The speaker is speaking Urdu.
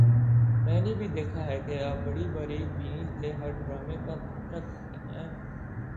میں نے بھی دیکھا ہے کہ آپ بڑی باریک بینی سے ہر ڈرامے کا تبصرہ کرتی ہیں